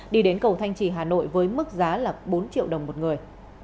đi đến cầu thanh trì hà nội với mức giá là bốn triệu đồng một người